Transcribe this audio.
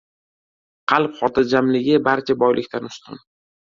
• Qalb xotirjamligi barcha boylikdan ustun.